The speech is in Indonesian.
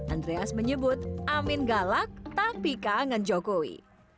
andreas menyebut amin galak tapi kangen jokowi